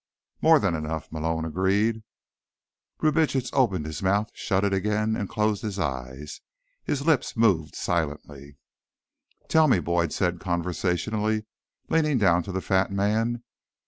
"More than enough," Malone agreed. Brubitsch opened his mouth, shut it again and closed his eyes. His lips moved silently. "Tell me," Boyd said conversationally, leaning down to the fat man.